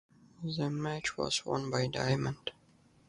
The match was won by Diamond.